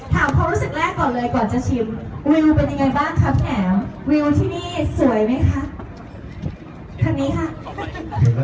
ถามความรู้สึกแรกก่อนเลยก่อนจะชิมวิวเป็นยังไงบ้างครับแหมววิวที่นี่สวยไหมคะ